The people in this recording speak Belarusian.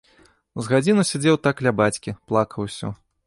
З гадзіну сядзеў так ля бацькі, плакаў усё.